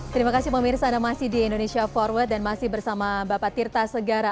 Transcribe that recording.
terima kasih pemirsa anda masih di indonesia forward dan masih bersama bapak tirta segara